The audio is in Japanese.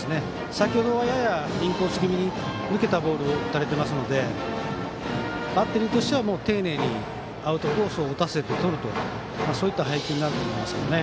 先程は、ややインコース気味に抜けたボールを打たれていますのでバッテリーとしては丁寧にアウトコースを打たせてとるそういった配球になると思います。